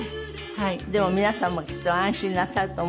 でも皆さんもきっと安心なさると思います。